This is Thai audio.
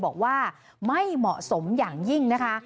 บอกว่าไม่เหมาะสมอย่างยิ่งนะคะ